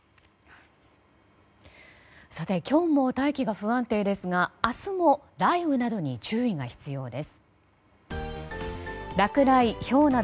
今日も大気が不安定ですが明日も雷雨などに注意が必要です。